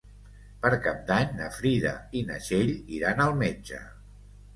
Per Cap d'Any na Frida i na Txell iran al metge.